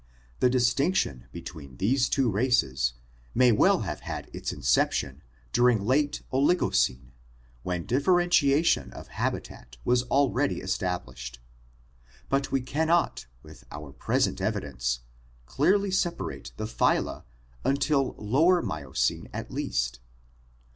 The distinction between these two races may well have had its inception during late Oligocene when differentiation of habitat was already established, but we cannot with our present evidence clearly separate the phyla until Lower Miocene at least (see Chapter XXXV).